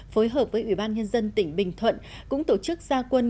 phối hợp với ủy ban nhân dân tỉnh bình thuận cũng tổ chức gia quân